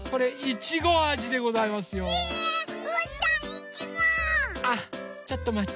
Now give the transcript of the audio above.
ちょっとまって。